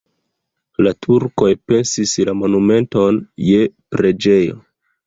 La turkoj pensis la monumenton je preĝejo.